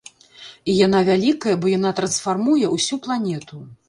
І яна вялікая, бо яна трансфармуе ўсю планету.